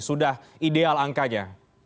sudah ideal angkanya